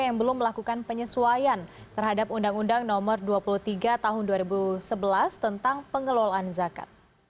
yang belum melakukan penyesuaian terhadap undang undang nomor dua puluh tiga tahun dua ribu sebelas tentang pengelolaan zakat